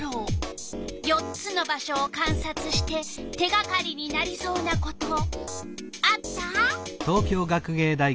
４つの場所をかんさつして手がかりになりそうなことあった？